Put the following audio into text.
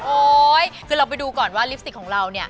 โอ๊ยคือเราไปดูก่อนว่าลิปสติกของเรา